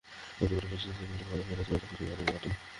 সবচেয়ে কঠিন পরিস্থিতিতেও কোহলি ভালো খেলে, যেটা শচীন মাঝে মাঝে পারত না।